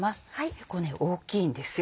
結構大きいんですよ。